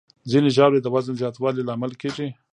ځینې ژاولې د وزن زیاتوالي لامل کېږي.